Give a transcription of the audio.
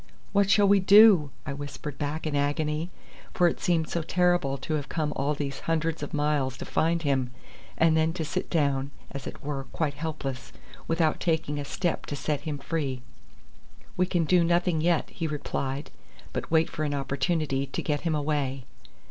"What shall we do?" I whispered back in agony, for it seemed so terrible to have come all these hundreds of miles to find him, and then to sit down, as it were, quite helpless, without taking a step to set him free. "We can do nothing yet," he replied, "but wait for an opportunity to get him away."